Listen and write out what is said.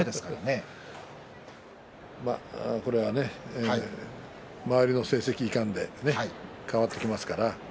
これはね周りの成績いかんで変わってきますから。